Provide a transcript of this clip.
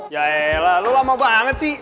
yaelah lu lama banget sih